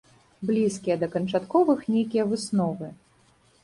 Блізкія да канчатковых нейкія высновы.